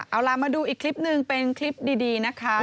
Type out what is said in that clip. เอาล่ะมาดูอีกคลิปหนึ่งเป็นคลิปดีนะคะ